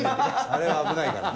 あれは危ないからね。